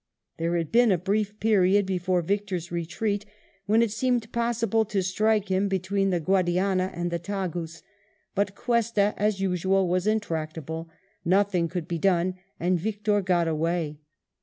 There had been a brief period, before Victor's retreat, when it seemed possible to strike him between the Guadiana and the Tagus; but Cuesta as usual was intractable, nothing could be done, and Victor got away.